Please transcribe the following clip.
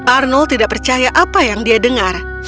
arnold tidak percaya apa yang dia dengar